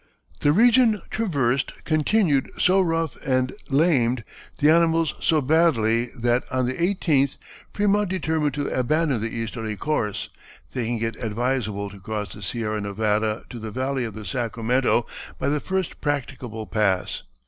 The region traversed continued so rough and lamed the animals so badly that on the 18th Frémont determined to abandon the easterly course, thinking it advisable to cross the Sierra Nevada to the valley of the Sacramento by the first practicable pass.